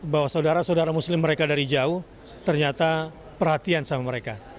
bahwa saudara saudara muslim mereka dari jauh ternyata perhatian sama mereka